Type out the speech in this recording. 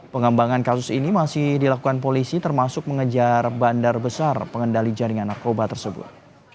pengembangan kasus ini masih dilakukan polisi termasuk mengejar bandar besar pengendali jaringan narkoba tersebut